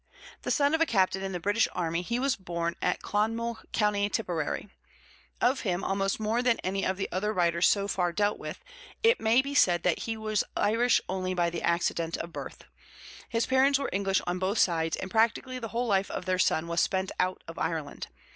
The son of a captain in the British army, he was born at Clonmel, Co. Tipperary. Of him almost more than of any of the writers so far dealt with, it may be said that he was Irish only by the accident of birth. His parents were English on both sides, and practically the whole life of their son was spent out of Ireland.